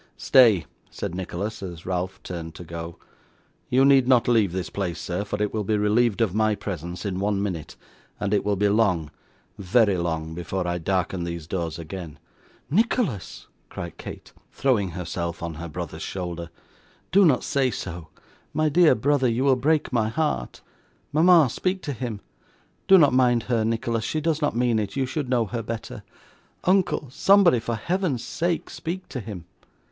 'Stay,' said Nicholas, as Ralph turned to go. 'You need not leave this place, sir, for it will be relieved of my presence in one minute, and it will be long, very long, before I darken these doors again.' 'Nicholas,' cried Kate, throwing herself on her brother's shoulder, 'do not say so. My dear brother, you will break my heart. Mama, speak to him. Do not mind her, Nicholas; she does not mean it, you should know her better. Uncle, somebody, for Heaven's sake speak to him.